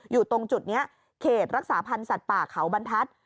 อยู่ตรงจุดนี้เขตรักษาพันธ์สัตว์ป่าเขาบรรทัศน์